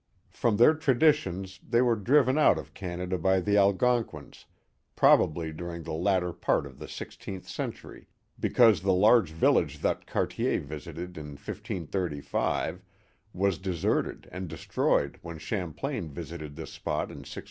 From their traditions, they were driven out of Canada by the Algonquins, probably during the latter part of the six teenth century, because the large village that Cartier visited in 1535 was deserted and destroyed when Champlain visited this spot in 1608.